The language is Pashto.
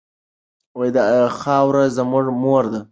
دا خاوره زموږ مور ده.